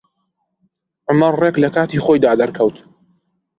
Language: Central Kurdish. عومەر ڕێک لە کاتی خۆیدا دەرکەوت.